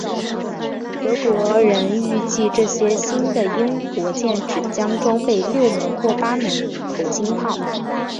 德国人预计这些新的英国舰只将装备六门或八门口径炮。